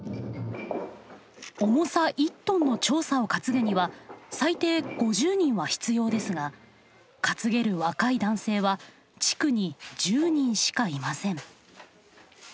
重さ１トンのちょうさを担ぐには最低５０人は必要ですが担げる若い男性は地区に１０人しかいません。